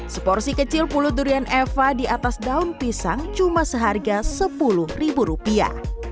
seporsi kecil pulut durian eva di atas daun pisang cuma seharga sepuluh ribu rupiah